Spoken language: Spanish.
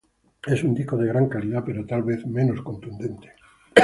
Es un disco de gran calidad pero tal vez menos contundente.